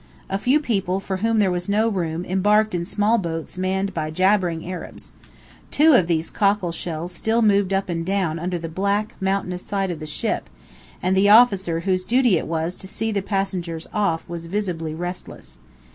A few people for whom there was no room embarked in small boats manned by jabbering Arabs. Two of these cockle shells still moved up and down under the black, mountainous side of the ship, and the officer whose duty it was to see the passengers off was visibly restless.